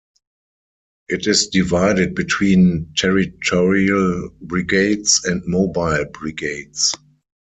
It is divided between territorial brigades and mobile brigades.